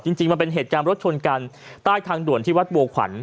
จริงมันเป็นเหตุการณ์รถชนกันใต้ทางด่วนที่วัดบัวขวัญ